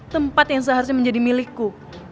tempat yang seharusnya menjadi milikku